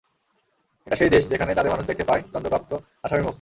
এটা সেই দেশ, যেখানে চাঁদে মানুষ দেখতে পায় দণ্ডপ্রাপ্ত আসামির মুখ।